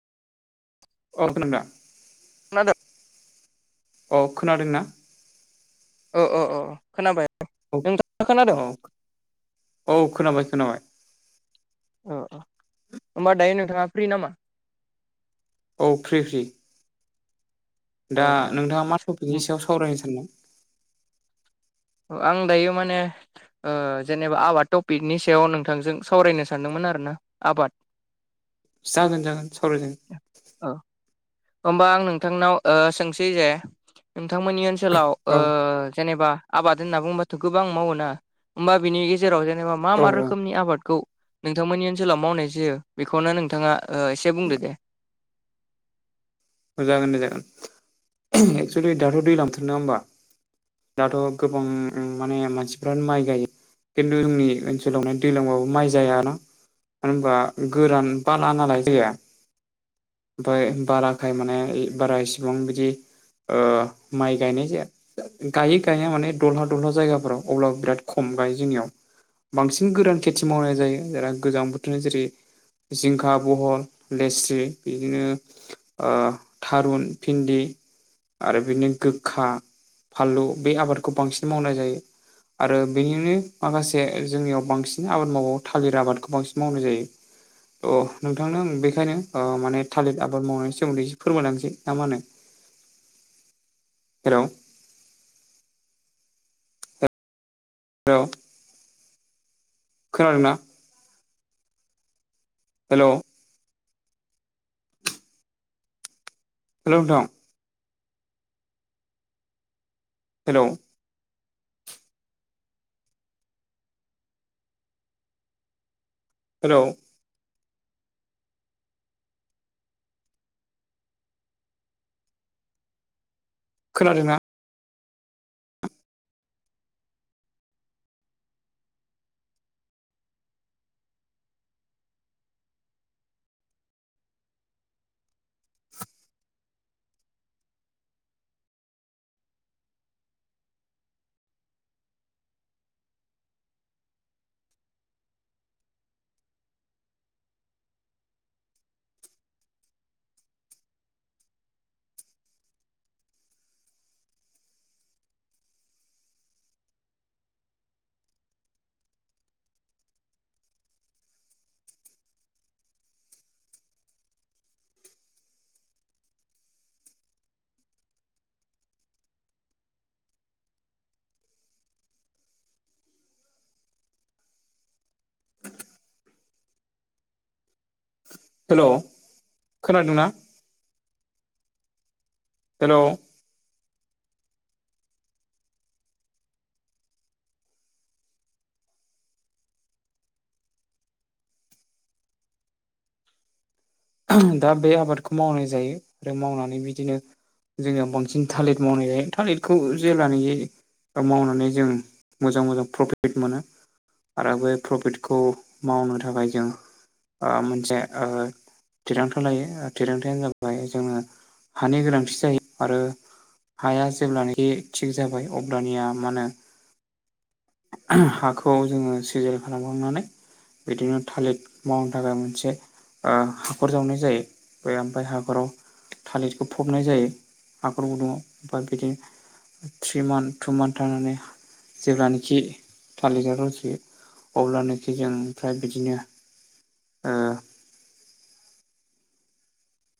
अ खोनादोंदा? खोनादों? अ खोनादोंना? अ अ अ खोनाबाय। औ नोंथाङा खोनादों औ औ खोनाबाय खोनाबाय अ अ ओमबा दायो नोंथाङा फ्रि नामा औ फ्रि फ्रि अ दा अ नोंथाङा मा टपिकनि सायाव सावरायनो सानदों आं दायो माने ओ जेनेबा आबाद टपिकनि सायाव नोंथांजों सावरायनो सानदोंमोन आरो ना आबाद जागोन जागोन सावराय जागोन औ ओमबा आं नोंथांनाव ओ सोंसै जे नोंथांमोननि ओनसोलाव ओ औ जेनेबा आबाद होनना बुंबाथ गोबां मावोना होमबा बिनि गेजेराव जेनेबा मा मा औ रोखोमनि आबादखौ नोंथांमोननि ओनसोलाव मावनाय जायो बेखौनो नोंथाङा ओ एसे बुंदो दे अ जागोन दे जागोन एक्सुलि दाथ दैलां‌ बोथोर नङा होमबा दाथ गोबां उम माने मानसिफ्रानो माइ गायो खिन्थु जोंनि ओनसोलाव हाय दैज्लांबाबो माइ जायाना मानो होनबा गोरान बाला नालाय जाया ओमफ्राय बाला खाय माने बारा इसिबां बिदि ओ माइ गायनाय जाया गायो गाइाया माने दलहा दलहा जायगाफोराव अब्लाबो बिराद खम गायो जोंनियाव बांसिन गोरान खेथि मावनाय जायो गोजां बोथोरनि जेरै जिंखा बहल लेस्रि बिदिनो ओ थारुन भिन्दि आरो बिदिनो गोखा फालौ बे आबादखौ बांसिन मावनाय जायो आरो बेनिनो माखासे जोंनियाव बांसिन आबाद मावबावो थालिर आबादखौ बांसिन मावनाय जायो अ नोंथांनो बेखायनो ओ माने थालिर आबाद मावनाय सोमोन्दै एसे फोरमाय लांनोसै ना मा होनो हेलौ हेलै खोनादोंना हेलौ हेलौ नोंथां हेलौ हेलौ खोनादोंना हेलौ खोनादोंना हेलौ दा बे आबादखौ मावनाय जायो आरो मावनानै बिदिनो जोङो बांसिन थालिर मावनाय जायो थालिरखौ जेब्लानो दा मावनानै जों मोजां मोजां प्रफिट मोनो आरो बे प्रफिटखौ मावनो थाखाय जों ओ मोनसे ओ थिरांथा लायो थिरांथायानो जाबाय जोङो हानि गोनांथि जायो आरो हाया जेब्लानोखि थिग जाबाय अब्लानिया मा होनो हाखौ जोङो सिजेल खालामखांनानै बिदिनो थालिर मावनो थाखाय मोनसे ओ हाखर जावनाय जायो बे ओमफ्राय हाखराव थालिरखौ फबनाय जायो हाखर गुदुङाव ओमफ्राय बिदिनो ट्रि मनथ टु मनथ थानानै जेब्लानोखि थालिर गालाव जयो अब्लानोखि जों ओमफ्राय बिदिनो ओ